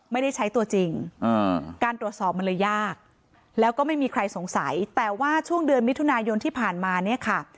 ไม่ได้ใช้ตัวจริงการตรวจสอบมันเลยยากแล้วก็ไม่มีใครสงสัยแต่ว่าช่วงเดือนมิถุนายนที่ผ่านมาเนี่ยค่ะ